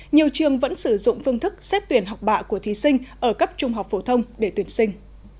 nhiều trường vẫn sử dụng phương thức xét tuyển học bạ của thí sinh ở cấp trung học phổ thông để tuyển sinh